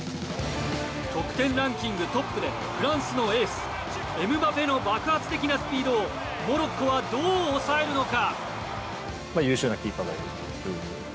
得点ランキングトップでフランスのエースエムバペの爆発的なスピードをモロッコはどう抑えるのか？